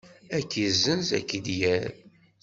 Ad k-izzenz, ad k-id-yerr.